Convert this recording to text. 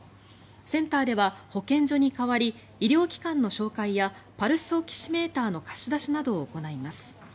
センターでは保健所に代わり医療機関の紹介やパルスオキシメーターの貸し出しなどを行います。